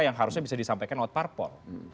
yang harusnya bisa disampaikan out pour poll